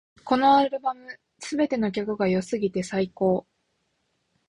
このアルバム、すべての曲が良すぎて最高